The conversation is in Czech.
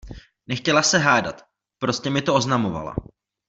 Nechtěla se hádat, prostě mi to oznamovala.